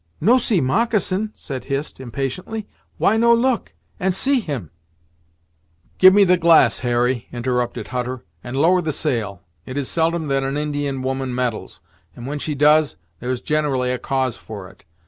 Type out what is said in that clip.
"No see moccasin," said Hist, impatiently "why no look and see him." "Give me the glass, Harry," interrupted Hutter, "and lower the sail. It is seldom that an Indian woman meddles, and when she does, there is generally a cause for it.